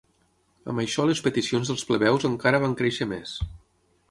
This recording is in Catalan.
Amb això les peticions dels plebeus encara van créixer més.